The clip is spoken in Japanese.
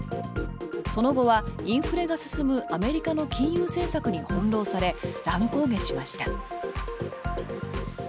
その後はインフレが進むアメリカの金融政策に翻ろうされ乱高下しました。